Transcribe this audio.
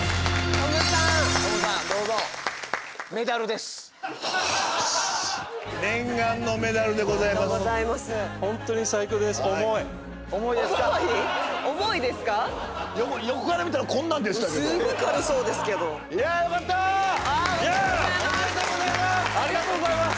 おめでとうございます！